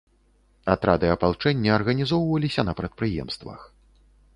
Атрады апалчэння арганізоўваліся на прадпрыемствах.